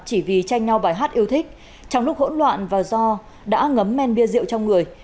chỉ vì tranh nhau bài hát yêu thích trong lúc hỗn loạn và do đã ngấm men bia rượu trong người